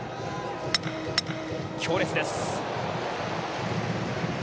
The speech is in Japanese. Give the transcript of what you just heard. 強烈です。